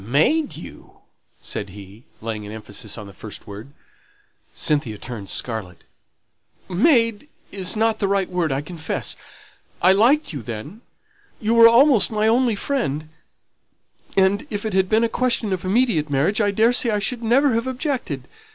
"Made you!" said he, laying an emphasis on the first word. Cynthia turned scarlet. "'Made' is not the right word, I confess. I liked you then you were almost my only friend and, if it had been a question of immediate marriage, I daresay I should never have objected.